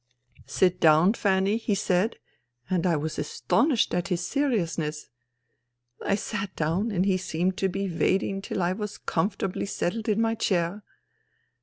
"' Sit down, Fanny,* he said, and I was aston ished at his seriousness. I sat down and he seemed to be waiting till I was comfortably settled in my chair.